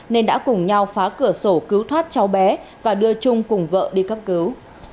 nên đã cùng nhau phá cửa sổ cứu thoát cháu bé và đưa trung cùng vợ đi cấp cứu